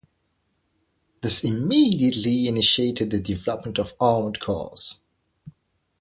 This immediately initiated the development of armoured cars.